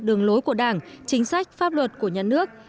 đường lối của đảng chính sách pháp luật của nhà nước